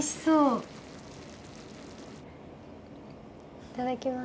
いただきます。